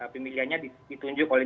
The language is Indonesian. pemilihannya ditunjuk oleh